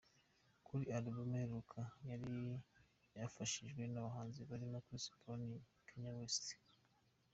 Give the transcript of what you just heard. Kuri album iheruka yari yafashijwe n’abahanzi barimo Chris Brown, Kanye West na J.